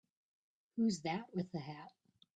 Who's that with the hat?